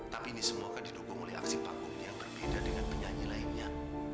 tapi ini semoga didukung oleh aksi panggung yang berbeda dengan penyanyi lainnya